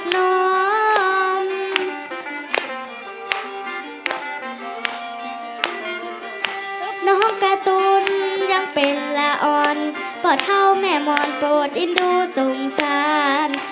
น้องกาตุ้นยังเป็นละอ่อนบอกเท้าแหมมอนปวดอินดูสงสาร